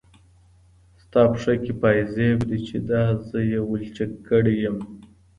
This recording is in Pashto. ستا پښه كي پايزيب دی چي دا زه يې ولچك كړی يم